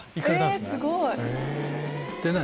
すごい！